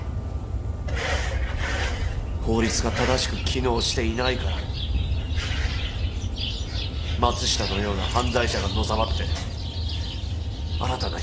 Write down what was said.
法律が正しく機能していないから松下のような犯罪者がのさばって新たな被害者が生まれるんだ。